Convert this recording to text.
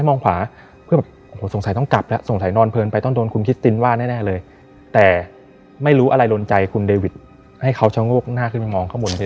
มองเข้าบนเพดานอืออ